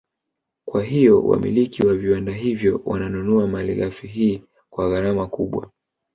Kwa hiyo wamiliki wa viwanda hivyo wananunua Malighafi hii kwa gharama kubwa